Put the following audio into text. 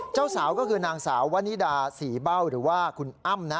เจ้าสาวก็คือนางสาววนิดาศรีเบ้าหรือว่าคุณอ้ำนะ